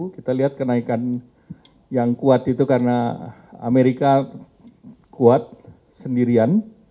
kita lihat kenaikan yang kuat itu karena amerika kuat sendirian